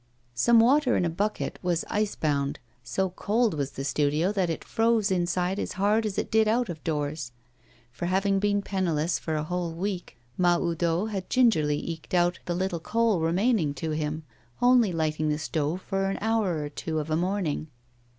Some water in a bucket was ice bound. So cold was the studio that it froze inside as hard as it did out of doors, for, having been penniless for a whole week, Mahoudeau had gingerly eked out the little coal remaining to him, only lighting the stove for an hour or two of a morning.